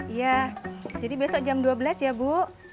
iya jadi besok jam dua belas ya bu